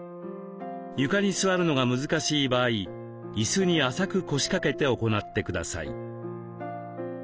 床に座るのが難しい場合イスに浅く腰掛けて行ってください。